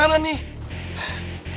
eh tapi lokasinya dimana